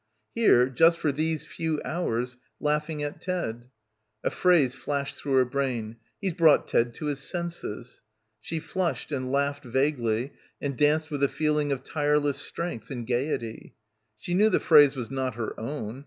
Here, just for these few hours, laughing at Ted. A phrase flashed through her brain, "He's brought Ted to his senses/' She flushed and laughed vaguely and danced with a feeling of tireless strength and gaiety. She knew the phrase was not her own.